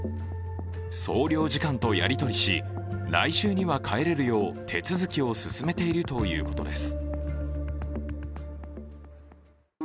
総領事館とやりとりし来週には帰れるよう手続きを進めているということです。